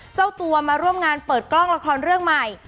เจ้าตัวมาร่วมงานเปิดกล้องละครเรื่องใหม่